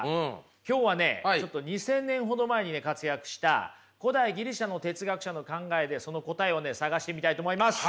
今日はねちょっと２，０００年ほど前に活躍した古代ギリシャの哲学者の考えでその答えを探してみたいと思います。